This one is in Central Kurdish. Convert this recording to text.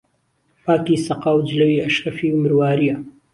پاکی سهقا و جلەوی ئهشرهفی و مروارییه